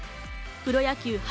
プロ野球